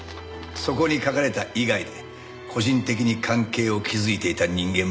そこに書かれた以外で個人的に関係を築いていた人間もいるはずだ。